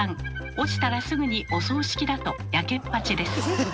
落ちたらすぐにお葬式だとヤケっぱちです。